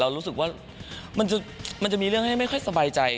รู้สึกว่ามันจะมีเรื่องให้ไม่ค่อยสบายใจ